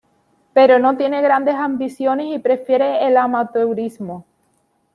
Pero no tiene grandes ambiciones y prefiere el amateurismo.